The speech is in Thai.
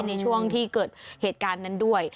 ในช่วงที่เกิดเหตุการณ์นั้นด้วย